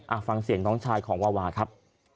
ฟังเสียงน้องชายของวาวาครับ